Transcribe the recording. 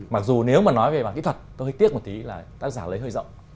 mặc dù nếu mà nói về bản kỹ thuật tôi hơi tiếc một tí là tác giả lấy hơi rộng